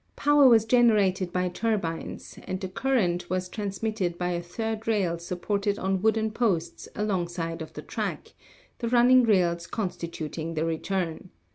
Power was gener ated by turbines, and the current was transmitted by a third rail supported on wooden posts alongside of the track, the running rails constituting the return.